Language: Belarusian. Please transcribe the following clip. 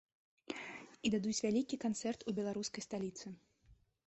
І дадуць вялікі канцэрт у беларускай сталіцы.